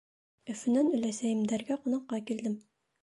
Өфөнән өләсәйемдәргә ҡунаҡҡа килдем.